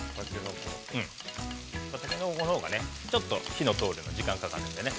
タケノコのほうがねちょっと火の通るのに時間かかるんでね。